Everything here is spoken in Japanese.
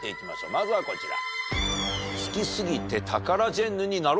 まずはこちら。